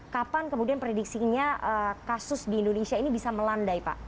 kapan kemudian prediksinya kasus di indonesia ini bisa melandai pak